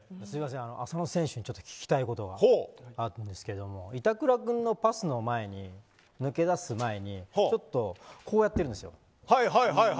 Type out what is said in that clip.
浅野選手に聞きたいことがあるんですけども板倉君のパスの前に抜け出す前にちょっとこうやってるんですよ。